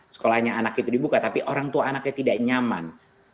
sekolahnya anak itu dibuka tapi orang tua anaknya tidak nyaman